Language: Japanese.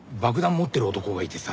持ってる男がいてさ。